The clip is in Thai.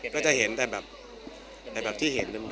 ก็จะเห็นแต่แบบที่เห็นเดิมครับ